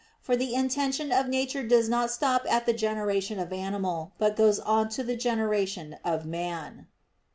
For the intention of nature does not stop at the generation of animal but goes on to the generation of man.